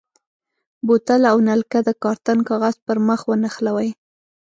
بوتل او نلکه د کارتن کاغذ پر مخ ونښلوئ.